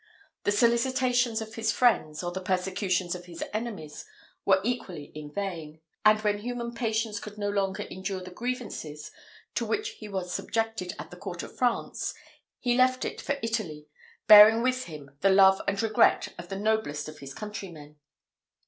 The solicitations of his friends, or the persecutions of his enemies, were equally in vain; and, when human patience could no longer endure the grievances to which he was subjected at the court of France, he left it for Italy, bearing with him the love and regret of the noblest of his countrymen.